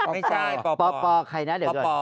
ไม่ใช่ปอปอปอปอใครนะเดี๋ยวเดี๋ยว